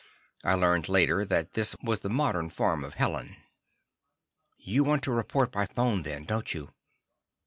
I learned later that this was the modern form of Helen. "You want to report by phone then, don't you?"